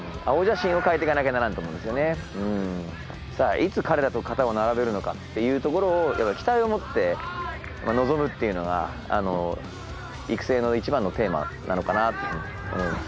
いつ彼らと肩を並べるのかっていうところを期待を持って臨むっていうのが育成のいちばんのテーマなのかなっていうふうに思います。